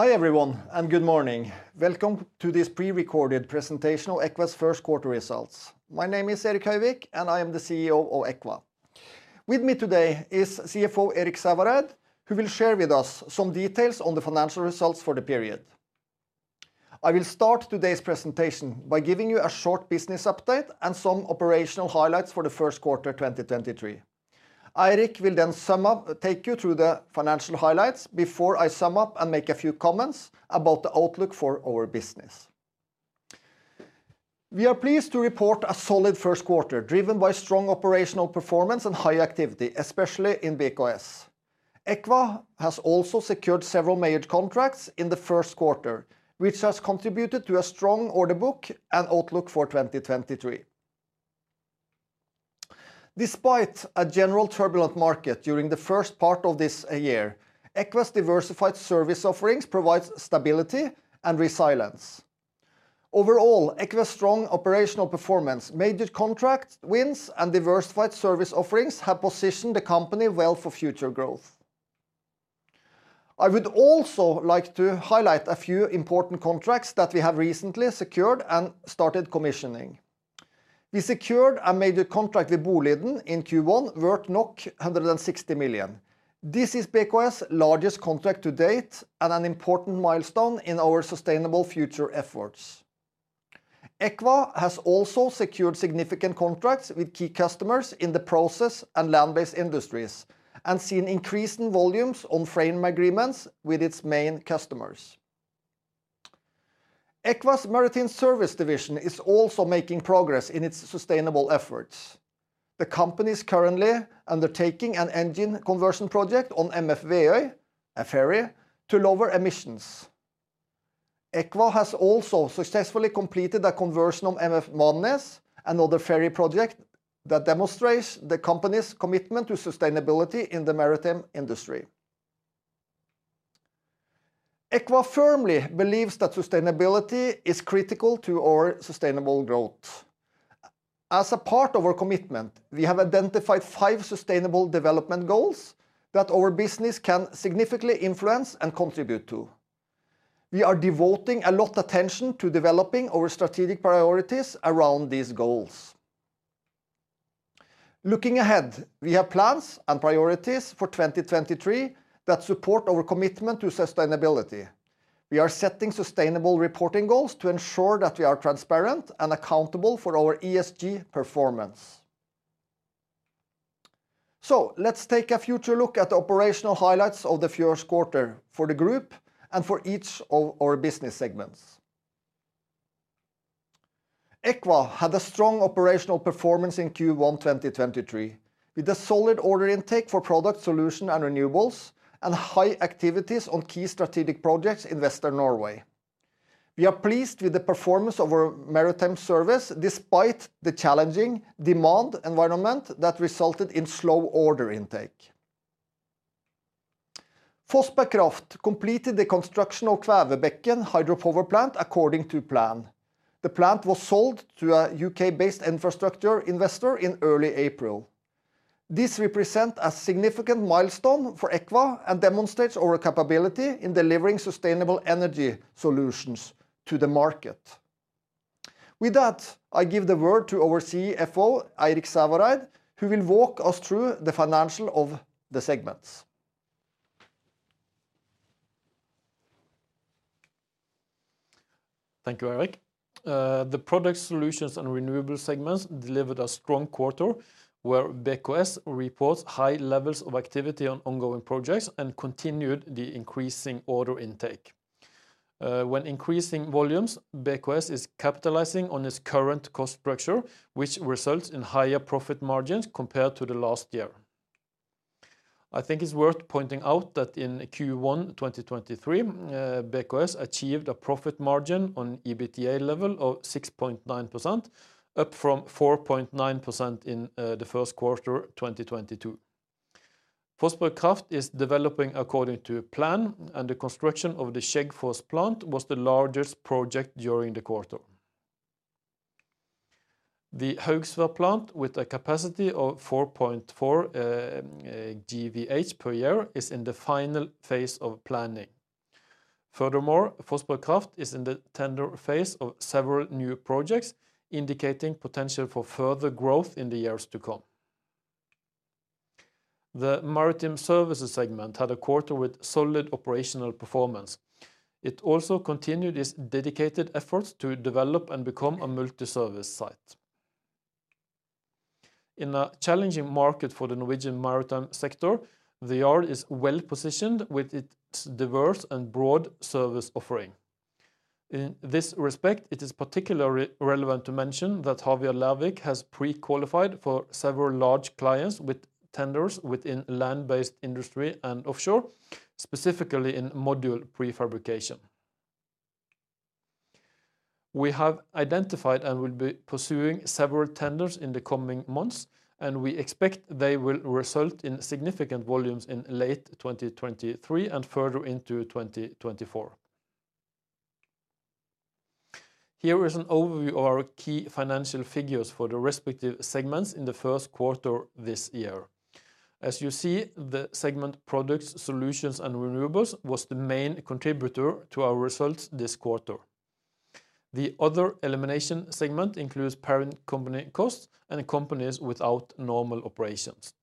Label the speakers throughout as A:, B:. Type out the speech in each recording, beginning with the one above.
A: Hi everyone, and good morning. Welcome to this pre-recorded presentation of Eqva's first quarter results. My name is Erik Høyvik, and I am the CEO of Eqva. With me today is CFO Eirik Sævareid, who will share with us some details on the financial results for the period. I will start today's presentation by giving you a short business update and some operational highlights for the first quarter, 2023. Eirik will then sum up, take you through the financial highlights before I sum up and make a few comments about the outlook for our business. We are pleased to report a solid first quarter, driven by strong operational performance and high activity, especially in BKS. Eqva has also secured several major contracts in the first quarter, which has contributed to a strong order book and outlook for 2023. Despite a general turbulent market during the first part of this year, Eqva's diversified service offerings provides stability and resilience. Overall, Eqva's strong operational performance, major contract wins, and diversified service offerings have positioned the company well for future growth. I would also like to highlight a few important contracts that we have recently secured and started commissioning. We secured a major contract with Boliden in Q1 worth 160 million. This is BKS's largest contract to date and an important milestone in our sustainable future efforts. Eqva has also secured significant contracts with key customers in the process and land-based industries and seen increasing volumes on frame agreements with its main customers. Eqva's Maritime Services division is also making progress in its sustainable efforts. The company is currently undertaking an engine conversion project on MF Veøy, a ferry, to lower emissions. Eqva has also successfully completed a conversion of MF Vågsøy, another ferry project that demonstrates the company's commitment to sustainability in the maritime industry. Eqva firmly believes that sustainability is critical to our sustainable growth. As a part of our commitment, we have identified five sustainable development goals that our business can significantly influence and contribute to. We are devoting a lot attention to developing our strategic priorities around these goals. Looking ahead, we have plans and priorities for 2023 that support our commitment to sustainability. We are setting sustainable reporting goals to ensure that we are transparent and accountable for our ESG performance. Let's take a future look at the operational highlights of the first quarter for the group and for each of our business segments. Eqva had a strong operational performance in Q1 2023, with a solid order intake for Products, Solutions & Renewables and high activities on key strategic projects in Western Norway. We are pleased with the performance of our Maritime Services despite the challenging demand environment that resulted in slow order intake. Fossberg Kraft completed the construction of Kvævebekken hydropower plant according to plan. The plant was sold to a U.K.-based infrastructure investor in early April. This represent a significant milestone for Eqva and demonstrates our capability in delivering sustainable energy solutions to the market. With that, I give the word to our CFO, Eirik Sævareid, who will walk us through the financial of the segments.
B: Thank you, Erik. The Products, Solutions & Renewables segments delivered a strong quarter where BKS reports high levels of activity on ongoing projects and continued the increasing order intake. When increasing volumes, BKS is capitalizing on its current cost structure, which results in higher profit margins compared to the last year. I think it's worth pointing out that in Q1 2023, BKS achieved a profit margin on EBITDA level of 6.9%, up from 4.9% in the first quarter 2022. Fossberg Kraft is developing according to plan, and the construction of the Skjeggfoss plant was the largest project during the quarter. The Haugsvær plant, with a capacity of 4.4 GWh per year, is in the final phase of planning. Furthermore, Fossberg Kraft is in the tender phase of several new projects, indicating potential for further growth in the years to come. The Maritime Services segment had a quarter with solid operational performance. It also continued its dedicated efforts to develop and become a multi-service site. In a challenging market for the Norwegian maritime sector, the yard is well-positioned with its diverse and broad service offering. In this respect, it is particularly relevant to mention that Havila Kystruten has pre-qualified for several large clients with tenders within land-based industry and offshore, specifically in module prefabrication. We have identified and will be pursuing several tenders in the coming months, and we expect they will result in significant volumes in late 2023 and further into 2024. Here is an overview of our key financial figures for the respective segments in the first quarter this year. As you see, the segment Products, Solutions & Renewables was the main contributor to our results this quarter. The other elimination segment includes parent company costs and companies without normal operations.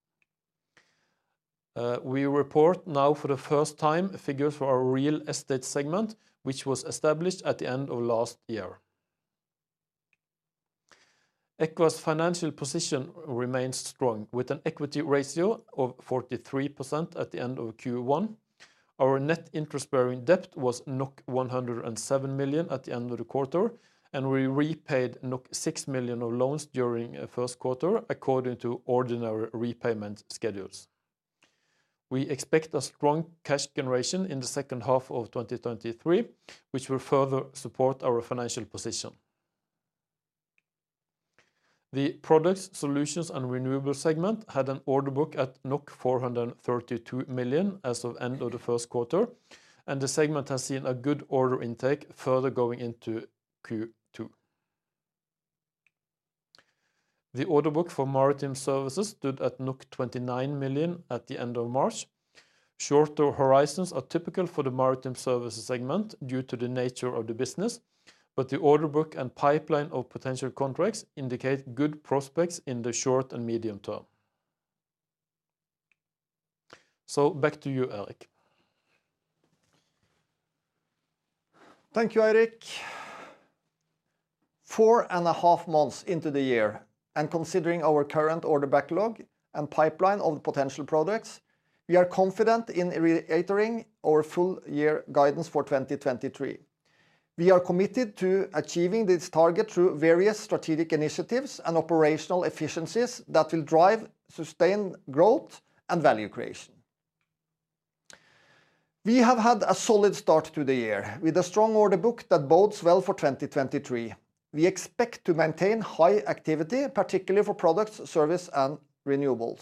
B: We report now for the first time figures for our Real Estate segment, which was established at the end of last year. Eqva's financial position remains strong with an equity ratio of 43% at the end of Q1. Our net interest-bearing debt was 107 million at the end of the quarter. We repaid 6 million of loans during first quarter according to ordinary repayment schedules. We expect a strong cash generation in the second half of 2023, which will further support our financial position. The Products, Solutions & Renewables segment had an order book at 432 million as of end of the first quarter, and the segment has seen a good order intake further going into Q2. The order book for Maritime Services stood at 29 million at the end of March. Shorter horizons are typical for the Maritime Services segment due to the nature of the business, but the order book and pipeline of potential contracts indicate good prospects in the short and medium term. Back to you, Erik.
A: Thank you, Eirik. 4.5 months into the year, and considering our current order backlog and pipeline of potential products, we are confident in reiterating our full year guidance for 2023. We are committed to achieving this target through various strategic initiatives and operational efficiencies that will drive sustained growth and value creation. We have had a solid start to the year with a strong order book that bodes well for 2023. We expect to maintain high activity, particularly for Products, Solutions & Renewables.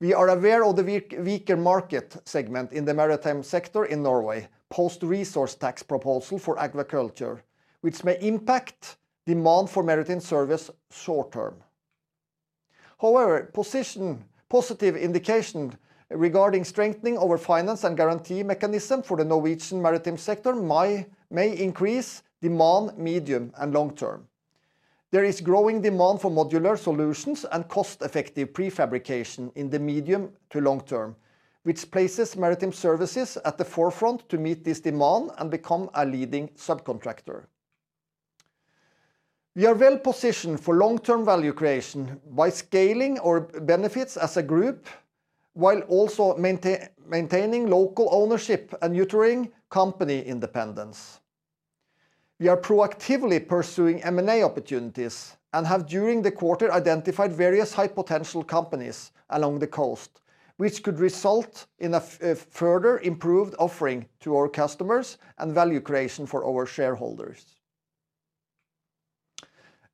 A: We are aware of the weaker market segment in the maritime sector in Norway post-resource rent tax on aquaculture, which may impact demand for Maritime Services short term. However, positive indication regarding strengthening our finance and guarantee mechanism for the Norwegian maritime sector may increase demand medium and long term. There is growing demand for modular solutions and cost-effective prefabrication in the medium to long term, which places Maritime Services at the forefront to meet this demand and become a leading subcontractor. We are well-positioned for long-term value creation by scaling our benefits as a group, while also maintaining local ownership and nurturing company independence. We are proactively pursuing M&A opportunities and have during the quarter identified various high-potential companies along the coast, which could result in a further improved offering to our customers and value creation for our shareholders.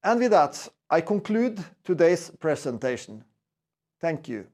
A: With that, I conclude today's presentation. Thank you.